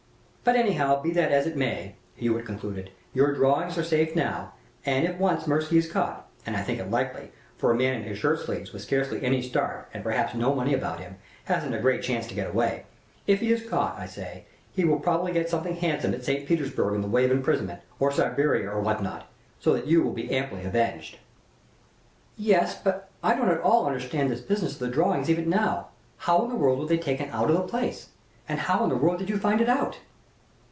But, anyhow, be that as it may," Hewitt concluded, "your drawings are safe now, and if once Mirsky is caught, and I think it likely, for a man in his shirt sleeves, with scarcely any start, and, perhaps, no money about him, hasn't a great chance to get away if he is caught, I say, he will probably get something handsome at St. Petersburg in the way of imprisonment, or Siberia, or what not; so that you will be amply avenged." "Yes, but I don't at all understand this business of the drawings even now. How in the world were they taken out of the place, and how in the world did you find it out?"